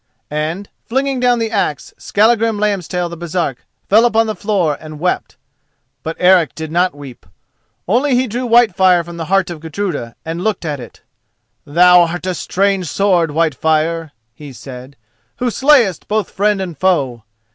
And, flinging down the axe, Skallagrim Lambstail the Baresark fell upon the floor and wept. But Eric did not weep. Only he drew Whitefire from the heart of Gudruda and looked at it. "Thou art a strange sword, Whitefire," he said, "who slayest both friend and foe!